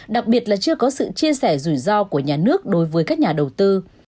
đặc biệt là chưa có sự chia sẻ rủi ro của nhà nước đối với các nhà đầu tư